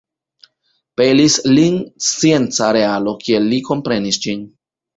Pelis lin scienca realo, kiel li komprenis ĝin.